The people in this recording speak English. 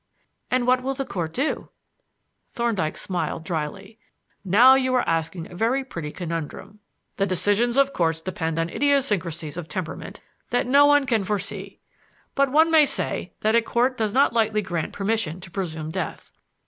"And what will the Court do?" Thorndyke smiled dryly. "Now you are asking a very pretty conundrum. The decisions of Courts depend on idiosyncrasies of temperament that no one can foresee. But one may say that a Court does not lightly grant permission to presume death.